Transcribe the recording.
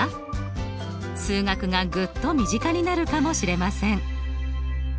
数学がグッと身近になるかもしれません。